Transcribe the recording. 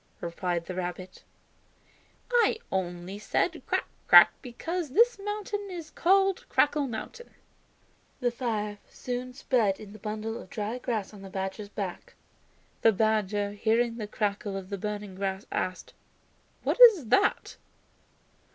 replied the rabbit; "I only said 'Crack, crack' because this mountain is called Crackling Mountain." The fire soon spread in the bundle of dry grass on the badger's back. The badger, hearing the crackle of the burning grass, asked, "What is that?"